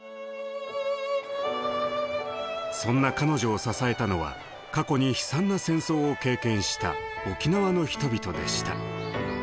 そんな彼女を支えたのは過去に悲惨な戦争を経験した沖縄の人々でした。